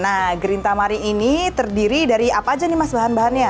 nah green tamary ini terdiri dari apa aja nih mas bahan bahannya